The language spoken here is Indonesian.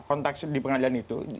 konteks di pengadilan itu